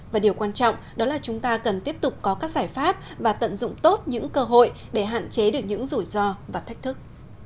và điều quan trọng đó là chúng ta cần tiếp tục có các giải pháp và tận dụng tốt những cơ hội để hạn chế được những rủi ro và thách thức